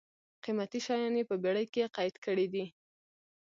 قېمتي شیان یې په بېړۍ کې قید کړي دي.